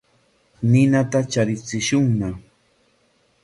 Ninata charichishunña.